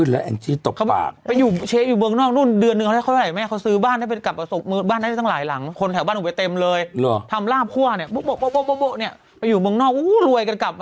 ไปมาอยู่เมืองนอกมาได้อยู่เมืองไทยไหมค่าแรงได้ก่อน